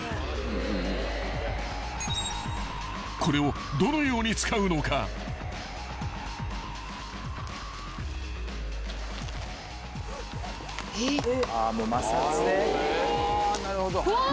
［これをどのように使うのか］えっ？